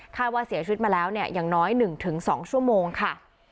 ว่าเสียชีวิตมาแล้วเนี่ยอย่างน้อย๑๒ชั่วโมงค่ะ